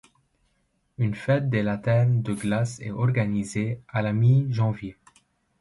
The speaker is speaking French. Une fête des lanternes de glace est organisée à la mi-janvier.